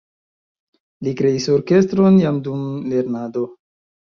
Li kreis orkestron jam dum lernado.